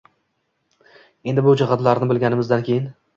Endi, bu jihatlarni bilganimizdan keyin